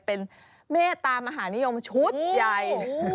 เป็นเมตตามหานิยมชุดใหญ่